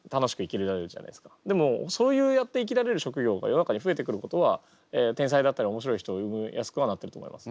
でもそうやって生きられる職業が世の中にふえてくることは天才だったりおもしろい人を生みやすくはなってると思います。